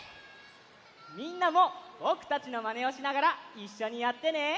みんなもぼくたちのまねをしながらいっしょにやってね。